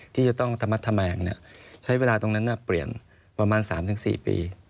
ที่จะต้องธรรมงใช้เวลาตรงนั้นเปลี่ยนประมาณ๓๔ปี